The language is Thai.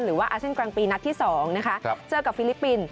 หรือว่าอาเซียนกลางปีนัดที่สองนะคะเจอกับฟิลิปปิน